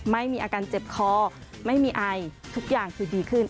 ไม่มีอาการเจ็บคอไม่มีไอทุกอย่างคือดีขึ้น